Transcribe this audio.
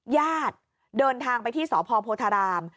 ญาติเดินทางไปที่สพโพธาราม